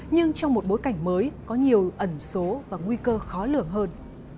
nhưng trong một bối cảnh mới có nhiều ẩn số và nguy cơ khó lường hơn